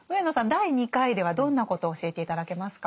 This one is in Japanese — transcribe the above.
第２回ではどんなことを教えて頂けますか？